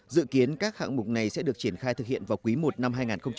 dự kiến các hạng mục này sẽ được triển khai thực hiện vào quý i năm hai nghìn hai mươi